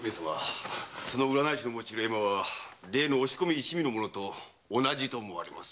その占い師の用いる絵馬は例の押し込み一味の物と同じと思われます。